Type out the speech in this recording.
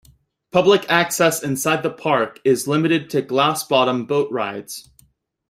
Public access inside the Park is limited to glass bottom boat rides.